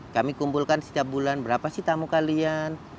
kami kumpulkan setiap bulan berapa sih tamu kalian